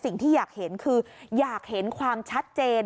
สิ่งที่อยากเห็นคืออยากเห็นความชัดเจน